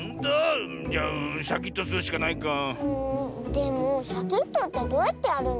でもシャキッとってどうやってやるの？